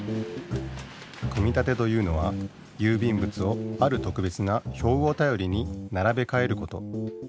組立というのはゆうびんぶつをあるとくべつなひょうをたよりにならべかえること。